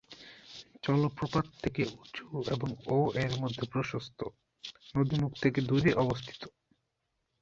জলপ্রপাত থেকে উঁচু এবং ও -এর মধ্যে প্রশস্ত; নদী মুখ থেকে দূরে অবস্থিত।